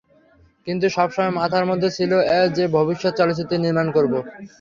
কিন্তু সব সময় মাথার মধ্যে ছিল যে ভবিষ্যতে চলচ্চিত্র নির্মাণ করব।